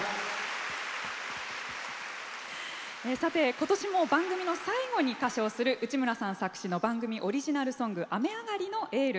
さて、今年も番組の最後に歌唱する内村さん作詞の番組オリジナルソング「雨上がりのエール」。